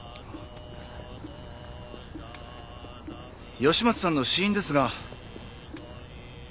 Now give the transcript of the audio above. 吉松さんの死因ですが。